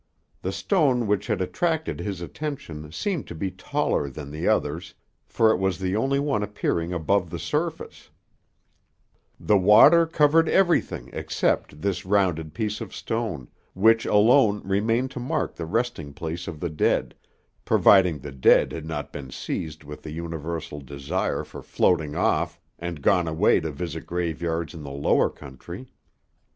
The stone which had attracted his attention seemed to be taller than the others, for it was the only one appearing above the surface; the water covered everything except this rounded piece of stone, which alone remained to mark the resting place of the dead, providing the dead had not been seized with the universal desire for floating off, and gone away to visit graveyards in the lower country.